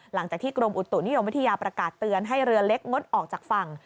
หลังจากที่กรมอุตุนิยมวิทยาประกาศเตือนให้เรือเล็กงดออกจากฝั่ง